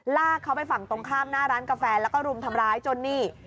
ลากเขาไปฝั่งตรงข้ามหน้าร้านกาแฟแล้วก็รุมทำร้ายจนนี่